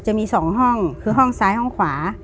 จะมี๒ห้องคือห้องซ้ายห้องขวา